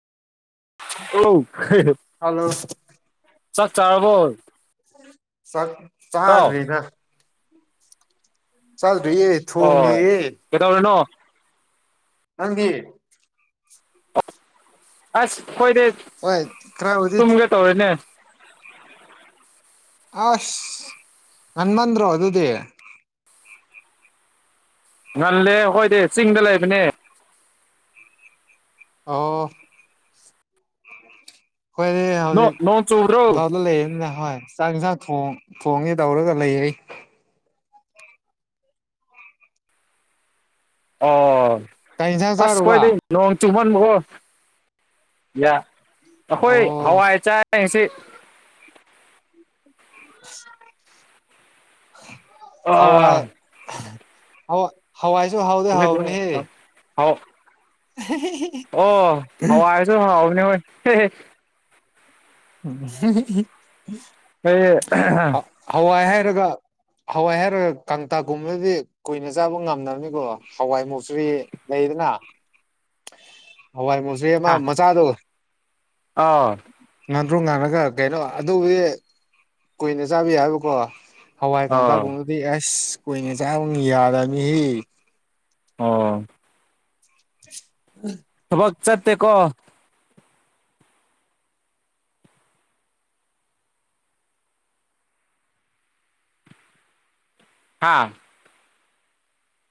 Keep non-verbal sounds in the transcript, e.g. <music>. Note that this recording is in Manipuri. ꯍꯜꯂꯣ ꯆꯥꯛ ꯆꯥꯔꯕꯣ? ꯆꯥꯛ ꯏꯇꯥꯎ ꯆꯥꯗ꯭ꯔꯤꯗ꯫ ꯆꯥꯗ꯭ꯔꯤꯌꯦ꯫ ꯑꯣ ꯊꯣꯡꯉꯤꯌꯦ ꯀꯩꯇꯩꯔꯤꯅꯣ? ꯅꯪꯗꯤ? ꯑꯁ ꯈꯣꯏꯗꯦ ꯍꯣꯏ ꯈꯔꯕꯨꯗꯤ ꯇꯨꯝꯒꯦ ꯇꯧꯔꯦꯅꯦ꯫ ꯑꯁ ꯉꯟꯃꯟꯗ꯭ꯔꯣ ꯑꯗꯨꯗꯤ? ꯉꯜꯂꯦ ꯑꯈꯣꯏꯗꯤ ꯆꯤꯡꯗ ꯂꯩꯕꯅꯦ꯫ ꯑꯣ ꯑꯩꯈꯣꯏꯗꯤ ꯅꯣ ꯅꯣꯡ ꯆꯨꯕ꯭ꯔꯣ ꯍꯧꯖꯤꯛ <unintelligible> ꯂꯩꯔꯦꯅ‌ ꯍꯥꯏ ꯆꯥꯛ ꯏꯟꯁꯥꯡ ꯊꯣꯡ ꯊꯣꯡꯒꯦ ꯇꯧꯔꯒ ꯂꯩꯔꯤ ꯑꯣ ꯀꯩ ꯏꯟꯁꯥꯡ ꯑꯁ ꯆꯥꯔꯨꯕ ꯈꯣꯏꯗꯤ ꯅꯣꯡ ꯆꯨꯝꯃꯟꯕꯑꯣ ꯌꯥ ꯑꯩꯈꯣꯏ ꯑꯣ ꯍꯋꯥꯏ ꯆꯥꯏ ꯉꯁꯤ ꯍꯋꯥꯏ ꯑꯥ ꯑꯋꯥ ꯍꯋꯥꯏꯁꯨ ꯍꯥꯎ <unintelligible> <inaudible> ꯑꯣ ꯍꯋꯥꯏꯁꯨ ꯍꯥꯎꯕꯅꯦ ꯍꯣꯏ ꯑꯩ ꯍꯋꯥꯏ ꯍꯥꯏꯔꯒ ꯍꯋꯥꯏ ꯍꯥꯏꯔꯒ ꯀꯥꯡꯇꯛꯒꯨꯝꯕꯗꯤ ꯀꯨꯏꯅ ꯆꯥꯕ ꯉꯝꯗꯕꯅꯤꯀꯣ ꯍꯋꯥꯏ ꯃꯨꯛꯁꯣꯔꯤ ꯂꯩꯗꯅ <inaudible> ꯍꯋꯥꯏ ꯃꯨꯁꯣꯔꯤ ꯑꯃ ꯃꯆꯥꯗꯣ ꯑꯥꯎ ꯉꯥꯟꯗ꯭ꯔꯣ ꯉꯥꯜꯂꯒ ꯀꯩꯅꯣ ꯑꯗꯨꯕꯨꯗꯤ ꯀꯨꯏꯅ ꯆꯥꯕ ꯌꯥꯏꯌꯦꯕꯀꯣ ꯍꯋꯥꯏ ꯑꯣ ꯀꯥꯡꯇꯛꯒꯨꯝꯕꯗꯨꯗꯤ ꯑꯁ ꯀꯨꯏꯅ ꯆꯥꯕ ꯌꯥꯗꯕꯅꯤꯍꯦ ꯑꯣ <unintelligible> ꯊꯕꯛ ꯆꯠꯇꯦꯀꯣ ꯍꯥꯥ